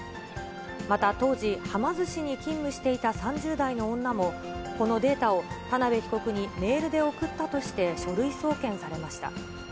また当時、はま寿司に勤務していた３０代の女も、このデータを田辺被告にメールで送ったとして書類送検されました。